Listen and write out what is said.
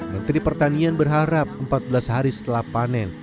menteri pertanian berharap empat belas hari setelah panen